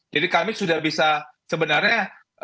jadi kami sudah bisa sebenarnya